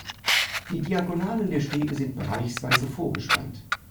Die Diagonalen der Stege sind bereichsweise vorgespannt.